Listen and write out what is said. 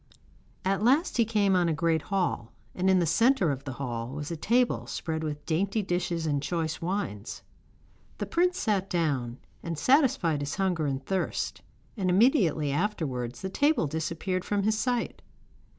At last he came on a great hall, and in the centre of the hall was a table spread with dainty dishes and choice wines. The prince sat down, and satisfied his hunger and thirst, and immediately afterwards the table disappeared from his sight.